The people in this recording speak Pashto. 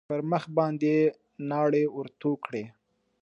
پر مخ باندې يې ناړې ورتو کړې.